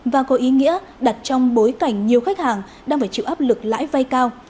và có ý nghĩa đặt trong bối cảnh nhiều khách hàng đang phải chịu áp lực lãi vay cao